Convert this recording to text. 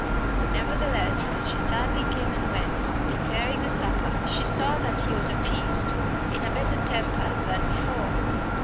Nevertheless, as she sadly came and went, preparing the supper, she saw that he was appeased, in a better temper than before.